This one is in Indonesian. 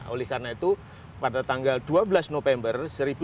oleh karena itu pada tanggal dua belas november seribu sembilan ratus empat puluh